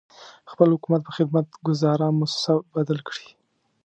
خپل حکومت په خدمت ګذاره مؤسسه بدل کړي.